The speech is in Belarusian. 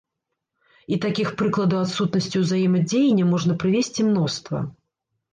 І такіх прыкладаў адсутнасці ўзаемадзеяння можна прывесці мноства.